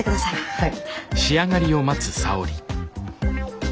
はい。